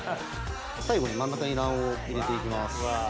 最後に真ん中に卵黄を入れていきます。